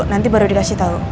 nanti baru dikasih tau